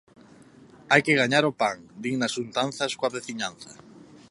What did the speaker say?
Hai que gañar o pan, din nas xuntanzas coa veciñanza.